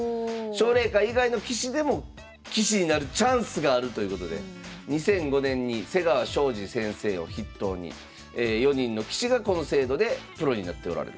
奨励会以外の棋士でも棋士になるチャンスがあるということで２００５年に瀬川晶司先生を筆頭に４人の棋士がこの制度でプロになっておられると。